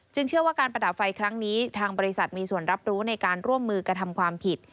เชื่อว่าการประดับไฟครั้งนี้ทางบริษัทมีส่วนรับรู้ในการร่วมมือกระทำความผิด